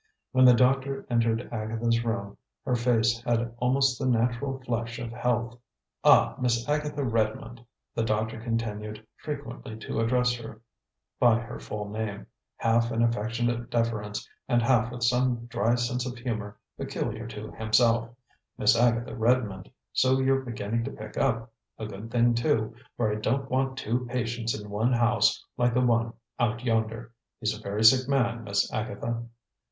When the doctor entered Agatha's room, her face had almost the natural flush of health. "Ah, Miss Agatha Redmond" the doctor continued frequently to address her by her full name, half in affectionate deference and half with some dry sense of humor peculiar to himself "Miss Agatha Redmond, so you're beginning to pick up! A good thing, too; for I don't want two patients in one house like the one out yonder. He's a very sick man, Miss Agatha."